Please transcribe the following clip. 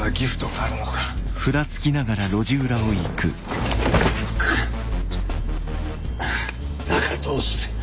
ああだがどうして。